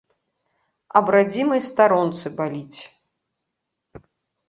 Аб радзімай старонцы баліць!